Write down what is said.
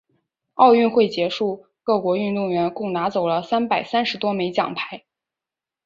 奥运会结束，各国运动员共拿走了三百三十多枚奖牌。